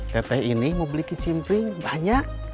teteh ini mau beli kicimpling banyak